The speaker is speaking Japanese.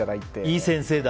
いい先生だ。